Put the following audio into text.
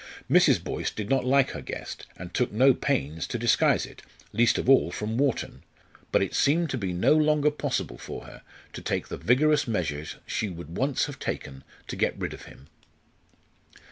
Mrs. Boyce did not like her guest, and took no pains to disguise it, least of all from Wharton. But it seemed to be no longer possible for her to take the vigorous measures she would once have taken to get rid of him.